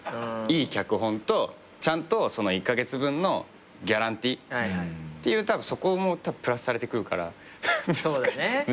いい脚本とちゃんと１カ月分のギャランティーっていうたぶんそこもプラスされてくるから難しい。